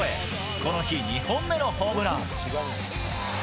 この日２本目のホームラン！